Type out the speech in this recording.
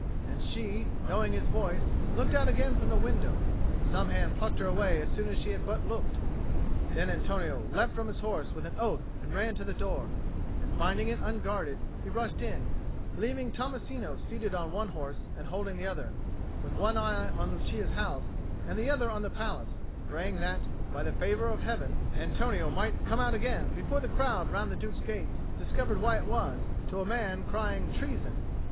And she, knowing his voice, looked out again from the window; but some hand plucked her away as soon as she had but looked. Then Antonio leapt from his horse with an oath and ran to the door, and finding it unguarded, he rushed in, leaving Tommasino seated on one horse and holding the other, with one eye on Lucia's house and the other on the palace, praying that, by the favour of Heaven, Antonio might come out again before the crowd round the Duke's gates discovered why it was, to a man, crying "Treason!"